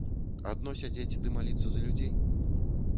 Адно сядзець ды маліцца за людзей?